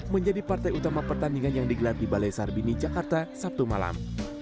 menjadi partai utama pertandingan yang digelar di balai sarbini jakarta sabtu malam